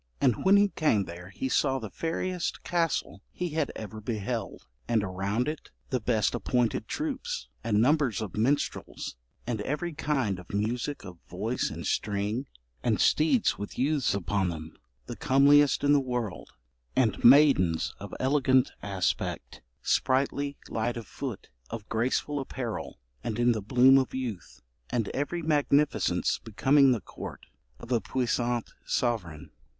'And when he came there he saw the fairest castle he had ever beheld, and around it the best appointed troops, and numbers of minstrels and every kind of music of voice and string, and steeds with youths upon them, the comeliest in the world, and maidens of elegant aspect, sprightly, light of foot, of graceful apparel, and in the bloom of youth; and every magnificence becoming the court of a puissant sovereign.